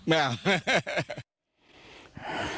ไม่เอา